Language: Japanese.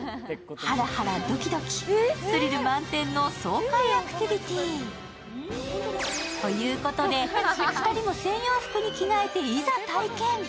ハラハラドキドキ、スリル満点の爽快アクティビティー。ということで、２人も専用服に着替えて、いざ体験。